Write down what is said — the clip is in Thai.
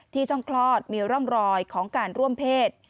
ช่องคลอดมีร่องรอยของการร่วมเพศ